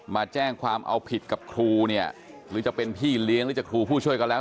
มาแจ้งความเอาผิดกับครูเนี่ยหรือจะเป็นพี่เลี้ยงหรือจะครูผู้ช่วยก็แล้ว